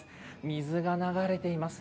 水が流れています。